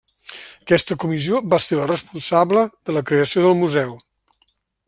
Aquesta comissió va ser la responsable de la creació del museu.